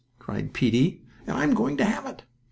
cried Peetie, "and I'm going to have it!"